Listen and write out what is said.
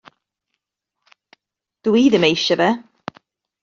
Dw i ddim eisiau fe.